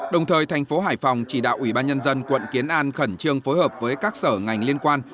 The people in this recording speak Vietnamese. đồng thời thành phố hải phòng chỉ đạo ủy ban nhân dân quận kiến an khẩn trương phối hợp với các sở ngành liên quan